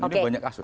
jadi banyak kasus